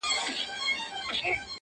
دا مناففت پرېږده کنې نو دوږخي به سي,